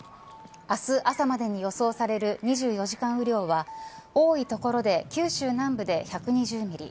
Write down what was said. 明日朝までに予想される２４時間雨量は多いところで九州南部で１２０ミリ。